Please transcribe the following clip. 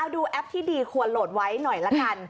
แอปที่ดีควรโหลดไว้หน่อยละกัน